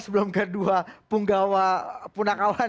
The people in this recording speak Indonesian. sebelum kedua punggawa punakawan